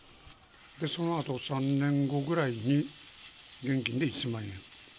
そのあと３年後ぐらいに現金で１０００万円。